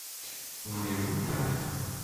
Voulez-vous me permettre ?